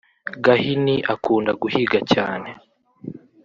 gahini akunda guhiga cyane